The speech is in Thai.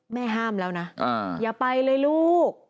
แม่ห้ามแล้วนะอย่าไปเลยลูก